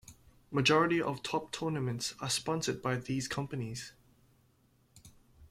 Majority of top tournaments are sponsored by these companies.